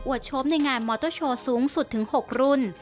โชฟในงานมอเตอร์โชว์สูงสุดถึง๖รุ่น